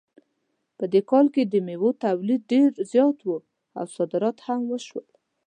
په دې کال کې د میوو تولید ډېر زیات و او صادرات هم وشول